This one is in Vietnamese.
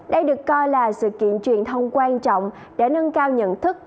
đây được coi là sự kiện truyền thông quan trọng để nâng cao nhận thức